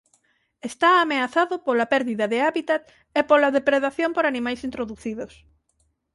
Está ameazado pola perdida de hábitat e pola depredación por animais introducidos.